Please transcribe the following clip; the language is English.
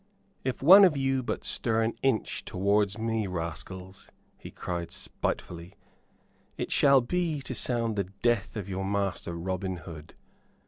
"If one of you but stir an inch towards me, rascals," he cried, spitefully, "it shall be to sound the death of your master Robin Hood.